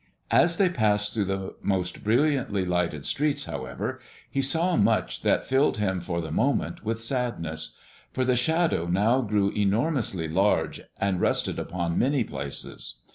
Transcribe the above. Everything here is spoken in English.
As they passed through the most brilliantly lighted streets, however, he saw much that filled him for the moment with sadness. For the Shadow now grew enormously large, and rested upon many places.